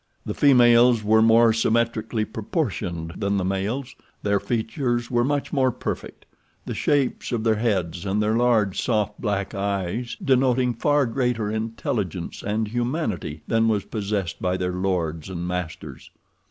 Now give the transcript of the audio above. The females were more symmetrically proportioned than the males, their features were much more perfect, the shapes of their heads and their large, soft, black eyes denoting far greater intelligence and humanity than was possessed by their lords and masters.